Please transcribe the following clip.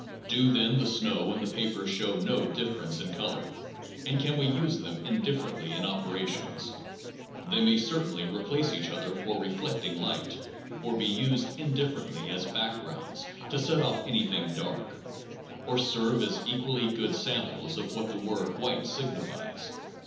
Do then the snow and the paper show no difference in color? And can we use them in differently in operations? They may certainly replace each other for reflecting light, or be used indifferently as backgrounds to set off anything dark, or serve as equally good samples of what the word white signifies.